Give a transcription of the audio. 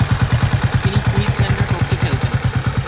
তিনি কুইন্সল্যান্ডের পক্ষে খেলতেন।